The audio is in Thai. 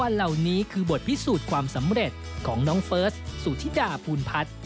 เหล่านี้คือบทพิสูจน์ความสำเร็จของน้องเฟิร์สสุธิดาภูลพัฒน์